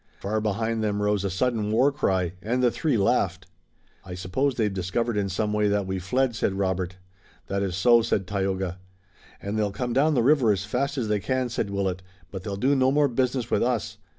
Far behind them rose a sudden war cry, and the three laughed. "I suppose they've discovered in some way that we've fled," said Robert. "That is so," said Tayoga. "And they'll come down the river as fast as they can," said Willet, "but they'll do no more business with us.